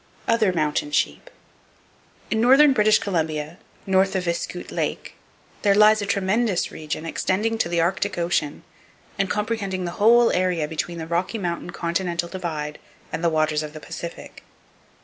Other Mountain Sheep. —In northern British Columbia, north of Iskoot Lake, there lies a tremendous region, extending to the Arctic Ocean, and comprehending the whole area between the Rocky Mountain continental divide and the waters of the Pacific.